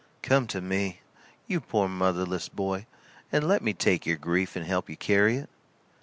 Come to me; you poor motherless boy, and let me take your grief and help you carry it."